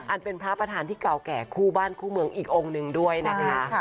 เป็นพระประธานที่เก่าแก่คู่บ้านคู่เมืองอีกองค์หนึ่งด้วยนะคะ